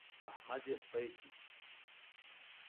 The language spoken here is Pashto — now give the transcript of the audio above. احمد يې سپي کړ.